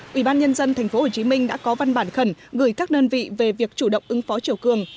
quỹ ban nhân dân tp hcm đã có văn bản khẩn gửi các đơn vị về việc chủ động ứng phó chiều cường